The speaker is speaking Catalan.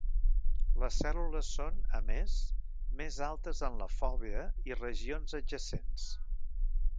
Les cèl·lules són, a més, més altes en la fòvea i regions adjacents.